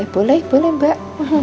boleh boleh mbak